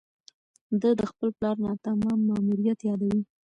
ده د خپل پلار ناتمام ماموریت یادوي.